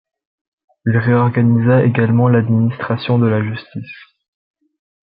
Il réorganisa également l'administration de la justice.